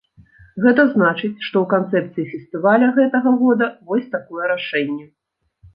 Гэта значыць, што ў канцэпцыі фестываля гэтага года вось такое рашэнне.